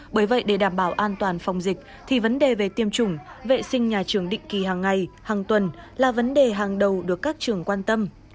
bởi vậy để đảm bảo an toàn phòng dịch thì vấn đề về tiêm chủng vệ sinh nhà trường định kỳ hàng ngày hàng tuần là vấn đề hàng đầu được các trường quan tâm